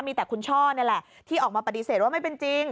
มีแต่คุณช่อนี่แหละที่ออกมาปฏิเสธว่าไม่เป็นจริง